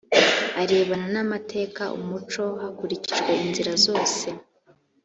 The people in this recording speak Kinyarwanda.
arebana n amateka umuco hakurikijwe inzira zose